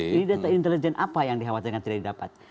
ini data intelijen apa yang dikhawatirkan tidak didapat